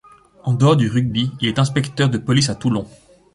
En dehors du rugby, il est inspecteur de police à Toulon.